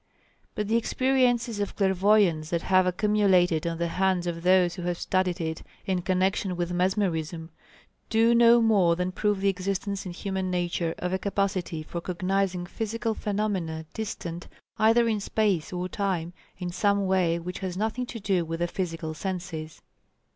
But the experiences of clairvoyance that have accumulated on the hands of those who have studied it in connection with mesmerism, do no more than prove the existence in human nature of a capacity for cognizing physical phenomena distant either in space or time, in some way which has nothing to do with the physical senses.